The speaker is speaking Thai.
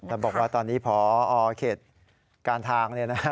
แต่บอกว่าตอนนี้พอเขตการทางเนี่ยนะ